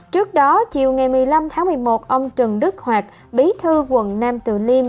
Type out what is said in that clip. trước đó chiều ngày một mươi năm tháng một mươi một ông trần đức hoạt bí thư quận nam từ liêm